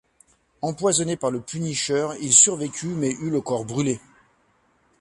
Empoisonné par le Punisher, il survécut mais eut le corps brûlé.